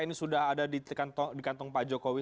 ini sudah ada di kantong pak jokowi